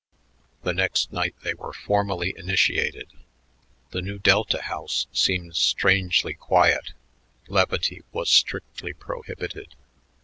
The next night they were formally initiated. The Nu Delta house seemed strangely quiet; levity was strictly prohibited.